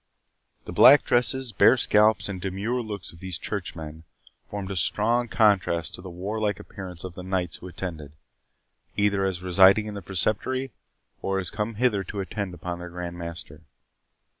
The black dresses, bare scalps, and demure looks of these church men, formed a strong contrast to the warlike appearance of the knights who attended, either as residing in the Preceptory, or as come thither to attend upon their Grand Master.